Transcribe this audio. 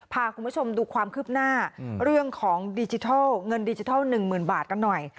พาคุณผู้ชมดูความคืบหน้าเรื่องของดิจิทัลเงินดิจิทัล๑๐๐๐บาทกันหน่อย